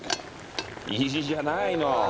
いいじゃないの！